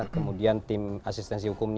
kemudian tim asistensi hukum ini